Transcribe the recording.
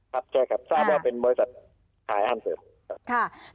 ครับใช่ครับทราบว่าเป็นบริษัทขายห้ามเสิร์ฟครับ